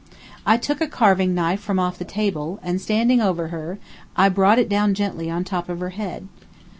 I took a carving knife from off the table, and standing over her I brought it down gently on top of her head.